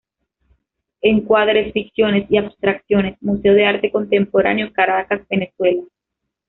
Encuadres, ficciones y abstracciones," Museo de Arte Contemporáneo, Caracas, Venezuela.